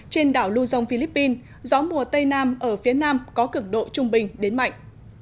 trên đảo lưu dông philippines gió mùa tây nam ở phía nam có cực độ trung bình đến mạnh